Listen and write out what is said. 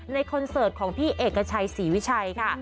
คอนเสิร์ตของพี่เอกชัยศรีวิชัยค่ะ